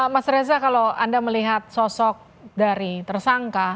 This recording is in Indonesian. mas reza kalau anda melihat sosok dari tersangka